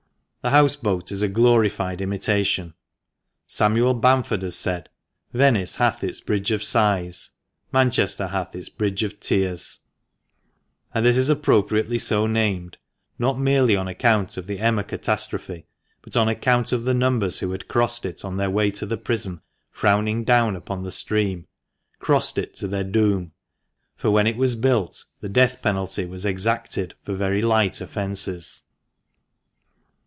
The house boat is a glorified imitation. Samuel Bamford has said, "Venice hath its Bridge of Sighs, Manchester hath its Bridge of Tears," and this is appro priately so named, not merely on account of the Emma catastrophe, but on account ot the numbers who had crossed it on their way to the prison frowning down upon the stream, crossed it to their doom ; for when it was built the death penalty was exacted for very light offences.